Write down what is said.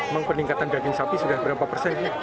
mempeningkatkan daging sapi sudah berapa persen